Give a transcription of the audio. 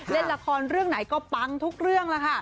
เล่นกันละครเรื่องไหนก็ปั้งทุกเรื่อง